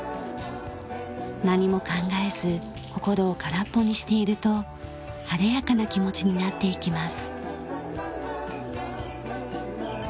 何も考えず心を空っぽにしていると晴れやかな気持ちになっていきます。